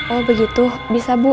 oh begitu bisa bu